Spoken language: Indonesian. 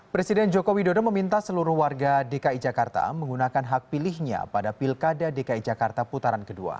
presiden jokowi dodo meminta seluruh warga dki jakarta menggunakan hak pilihnya pada pilkada dki jakarta putaran kedua